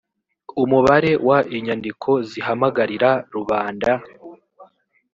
umubare w inyandiko zihamagarira rubanda